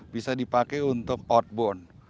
bisa dipakai untuk outbound